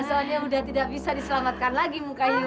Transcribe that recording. soalnya udah tidak bisa diselamatkan lagi muka ayah